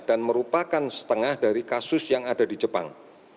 dan merupakan setengah dari kasus yang ada di jepang